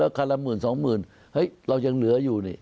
คันละหมื่นสองหมื่นเฮ้ยเรายังเหลืออยู่นี่